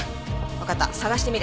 わかった探してみる。